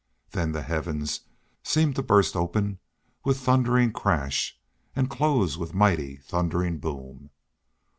Then the heavens seemed to burst open with thundering crash and close with mighty thundering boom.